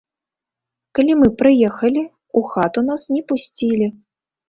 Калі мы прыехалі, у хату нас не пусцілі.